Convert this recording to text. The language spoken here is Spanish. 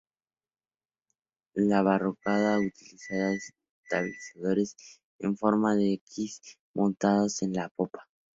El Barracuda utilizará estabilizadores en forma de X montados en la popa.